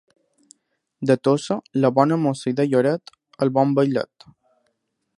De Tossa, la bona mossa i de Lloret, el bon vailet.